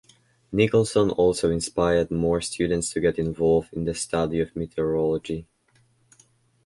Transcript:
Nicholson also inspired more students to get involved in the study of meteorology.